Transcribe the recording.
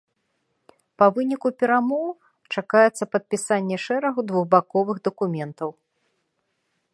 Па выніку перамоў чакаецца падпісанне шэрагу двухбаковых дакументаў.